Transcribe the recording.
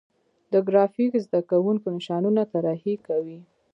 د ګرافیک زده کوونکي نشانونه طراحي کوي.